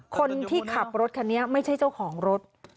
คนที่ขับรถคันนี้ไม่ใช่เจ้าของรถ